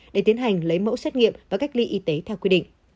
để tiến hành lấy mẫu xét nghiệm và cách ly y tế theo quy định